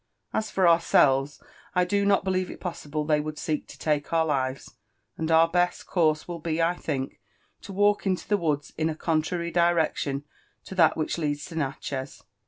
As for ourselves, I do not believe it possible they would seek to lake our lives; and our best course will be, f think, to walk into the woods in a contrary direction to that which leads (o Natchez.